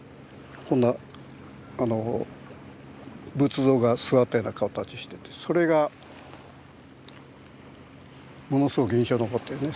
こんな仏像が座ったような形しててそれがものすごく印象に残ってるね。